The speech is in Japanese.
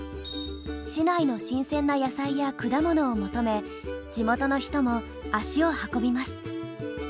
市内の新鮮な野菜や果物を求め地元の人も足を運びます。